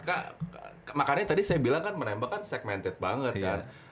maka makanya tadi saya bilang kan menembak kan segmented banget kan